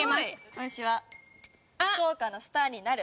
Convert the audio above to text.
私は「福岡のスターになる」。